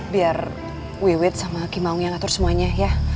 biar wiwi sama kimau yang atur semuanya ya